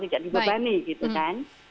tidak dibebani gitu kan